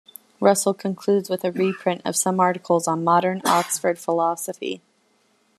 Russell concludes with a reprint of some articles on modern Oxford philosophy.